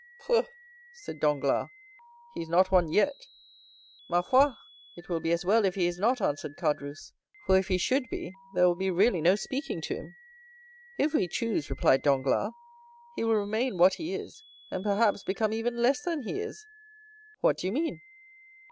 "Pooh!" said Danglars, "he is not one yet." "Ma foi! it will be as well if he is not," answered Caderousse; "for if he should be, there will be really no speaking to him." "If we choose," replied Danglars, "he will remain what he is; and perhaps become even less than he is." "What do you mean?"